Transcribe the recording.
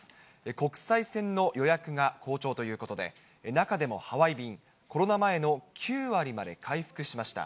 国際線の予約が好調ということで、中でもハワイ便、コロナ前の９割まで回復しました。